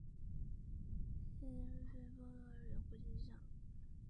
辛菲罗波尔国际机场。